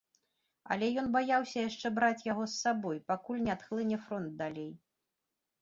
Але ён баяўся яшчэ браць яго з сабой, пакуль не адхлыне фронт далей.